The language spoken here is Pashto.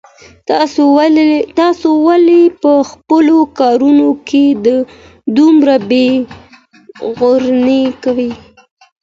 تاسو ولي په خپلو کارونو کي دومره بې غوري کوئ؟